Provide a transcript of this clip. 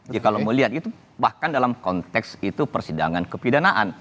jika lo melihat itu bahkan dalam konteks itu persidangan kepilikan